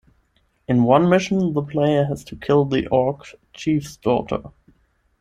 In one mission, the player has to kill the Orc chief's daughter.